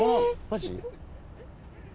マジ？